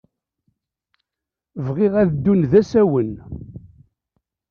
Bɣiɣ ad ddun d asawen.